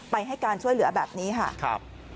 ให้การช่วยเหลือแบบนี้ค่ะ